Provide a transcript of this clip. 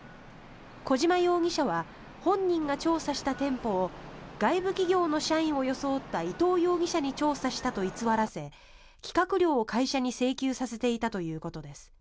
小島容疑者は本人が調査した店舗を外部企業の社員を装った伊藤容疑者に調査したと偽らし企画料を会社に請求させていたということです。